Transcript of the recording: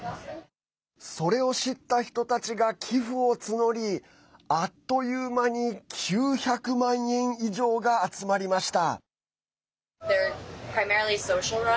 それを知った人たちが寄付を募りあっという間に９００万円以上が集まりました。